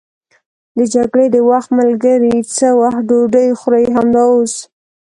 د جګړې د وخت ملګري څه وخت ډوډۍ خوري؟ همدا اوس.